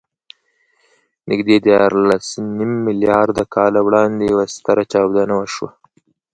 نږدې دیارلسنیم میلیارده کاله وړاندې یوه ستره چاودنه وشوه.